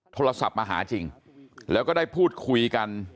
โทรศัพท์มาหาจริงแล้วก็ได้พูดคุยกัน